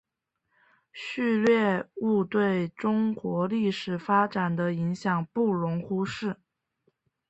旭烈兀对中国历史发展的影响不容忽视。